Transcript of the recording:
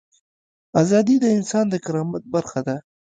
ازادي د انسان د کرامت برخه ده.